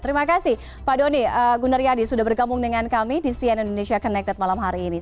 terima kasih pak doni gunaryadi sudah bergabung dengan kami di cnn indonesia connected malam hari ini